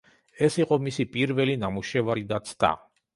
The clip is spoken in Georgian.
ეს იყო მისი პირველი ნამუშევარი და ცდა.